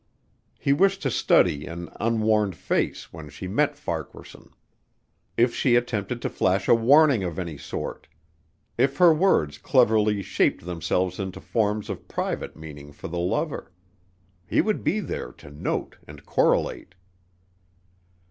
He wished to study an unwarned face when she met Farquaharson. If she attempted to flash a warning of any sort; if her words cleverly shaped themselves into forms of private meaning for the lover: he would be there to note and correlate.